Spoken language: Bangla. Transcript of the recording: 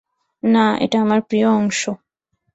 না, এটা আমার প্রিয় অংশ।